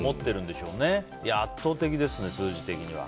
でも圧倒的ですね、数字的には。